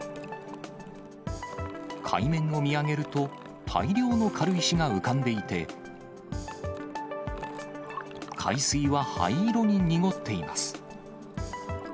海面を見上げると、大量の軽石が浮かんでいて、海水は灰色に濁っています。